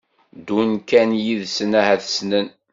ddu kan yid-sen ahat ssnen